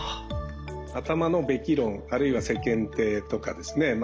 頭の「べき」論あるいは世間体とかですね